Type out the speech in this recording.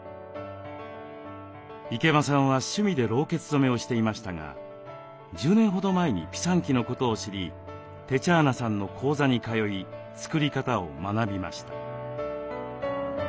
池間さんは趣味でろうけつ染めをしていましたが１０年ほど前にピサンキのことを知りテチャーナさんの講座に通い作り方を学びました。